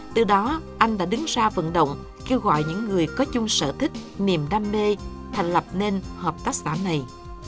từ đó anh đã đứng ra vận động kêu gọi những người có chung sở thích niềm đam mê thành lập nên hợp tác xã này